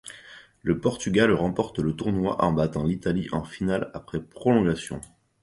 Le Portugal remporte le tournoi en battant l'Italie en finale après prolongation.